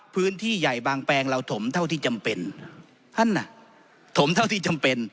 พื้นที่ใหญ่บางแปลงเราถมเท่าที่จำเป็นท่านอ่ะถมเท่าที่จำเป็น